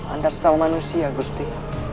anda seorang manusia gusti